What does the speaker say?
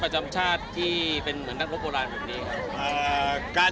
karena para perempuan akan berjuang untuk menang